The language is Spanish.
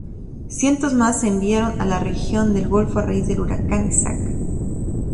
Cientos más se enviaron a la región del Golfo a raíz del huracán Isaac.